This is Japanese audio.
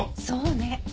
そうね。